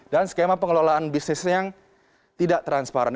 dan skema pengelolaan bisnis yang tidak transparan